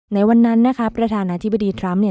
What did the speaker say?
ในวันนั้นนะคะประธานาธิบดีทรัมป์เนี่ย